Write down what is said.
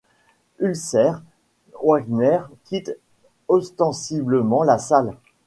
Ulcéré, Wagner quitte ostensiblement la salle.